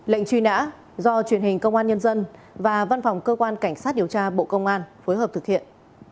lệnh truy nã do truyền hình công an nhân dân và văn phòng cơ quan cảnh sát điều tra bộ công an phối hợp thực hiện